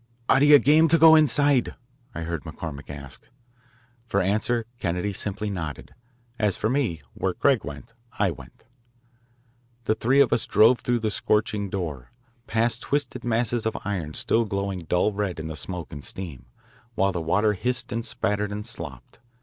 "Are you game to go inside?" I heard McCormick ask. For answer Kennedy simply nodded. As for me, where Craig went I went. The three of us drove through the scorching door, past twisted masses of iron still glowing dull red in the smoke and steam, while the water hissed and spattered and slopped.